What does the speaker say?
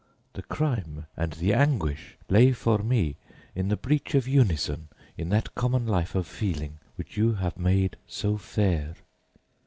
The crime and the anguish lay for me in the breach of unison in that common life of feeling which you have made so fair.